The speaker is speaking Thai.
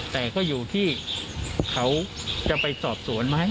แต่ก็อยู่ที่เขาจะไปสอบสวนไหม